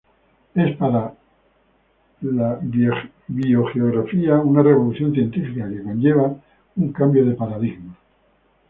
Es para la biogeografía una revolución científica, que conlleva a un cambio de paradigma.